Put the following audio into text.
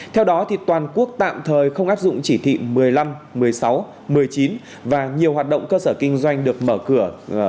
theo đó toàn quốc tạm thời không áp dụng chỉ thị một mươi năm một mươi sáu một mươi chín và nhiều hoạt động cơ sở kinh doanh được mở cửa